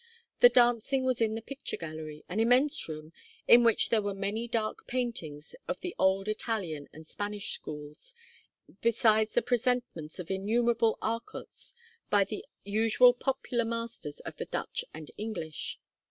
The dancing was in the picture gallery, an immense room, in which there were many dark paintings of the old Italian and Spanish schools, besides the presentments of innumerable Arcots by the usual popular masters of the Dutch and English.